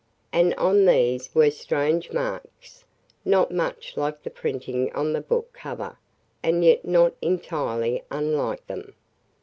And on these were strange marks, not much like the printing on the book cover and yet not entirely unlike them.